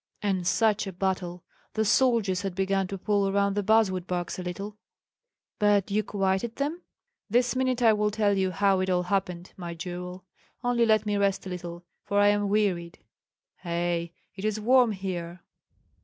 "And such a battle! The soldiers had begun to pull around the basswood barks a little " "But you quieted them?" "This minute I will tell you how it all happened, my jewel; only let me rest a little, for I am wearied. Ei! it is warm here.